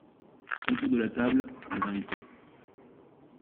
Autour de la table, les invités.